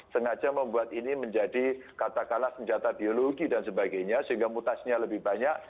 sengaja membuat ini menjadi katakanlah senjata biologi dan sebagainya sehingga mutasinya lebih banyak